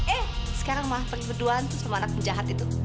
eh sekarang ma pergi berdua sama anak penjahat itu